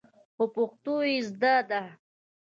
خو پښتو يې زده ده.